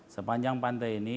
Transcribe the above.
sepanjang pantai ini